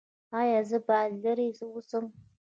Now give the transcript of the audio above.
ایا زه باید لرې اوسم؟